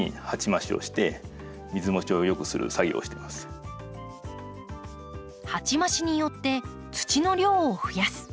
なので私は鉢増しによって土の量を増やす。